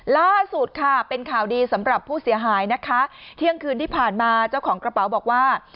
ล่าสุดค่ะเป็นข่าวดีสำหรับผู้เสียหายนะคะเที่ยงคืนที่ผ่านมาเจ้าของกระเป๋าบอกว่า